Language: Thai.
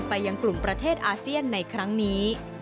ยังกลุ่มประเทศอาเซียนในครั้งนี้